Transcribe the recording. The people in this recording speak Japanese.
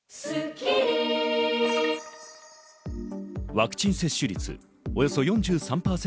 ワクチン接種率およそ４３％